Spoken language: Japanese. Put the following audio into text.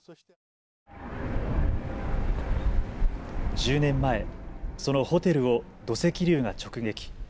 １０年前そのホテルを土石流が直撃。